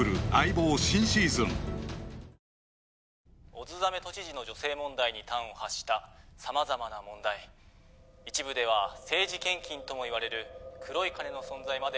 「小津鮫都知事の女性問題に端を発した様々な問題」「一部では政治献金とも呼ばれる黒い金の存在まで」